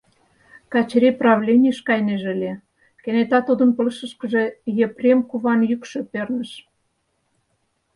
Качырий правленийыш кайнеже ыле, кенета тудын пылышышкыже Епрем куван йӱкшӧ перныш: